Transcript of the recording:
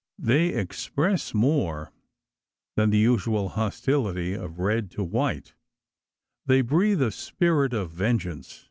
They express more than the usual hostility of red to white they breathe a spirit of vengeance.